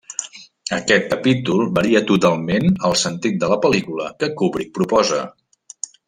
Aquest capítol varia totalment el sentit de la pel·lícula que Kubrick proposa.